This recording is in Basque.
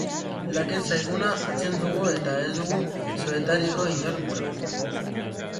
Laket zaiguna hartzen dugu eta ez dugu zuetariko inor gura.